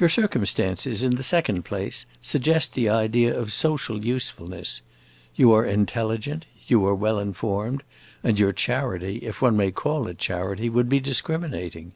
"Your circumstances, in the second place, suggest the idea of social usefulness. You are intelligent, you are well informed, and your charity, if one may call it charity, would be discriminating.